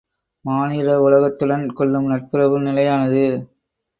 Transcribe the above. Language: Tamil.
மானிட உலகத்துடன் கொள்ளும் நட்புறவு நிலையானது.